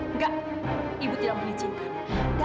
enggak ibu tidak mengizinkan